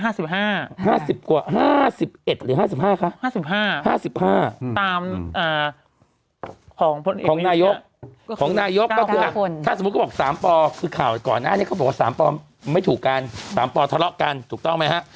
ห้าสิบห้าห้าสิบกว่าห้าสิบเอ็ดหรือห้าสิบห้าคะห้าสิบห้าห้าสิบห้าตามอ่าของของนายกของนายกก็คือถ้าสมมติก็บอกสามปอคือข่าวก่อนหน้านี้เขาบอกว่าสามปอไม่ถูกกันสามปอทะเลาะกันถูกต้องไหมฮะ